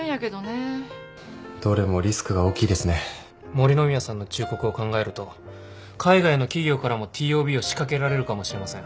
森ノ宮さんの忠告を考えると海外の企業からもＴＯＢを仕掛けられるかもしれません。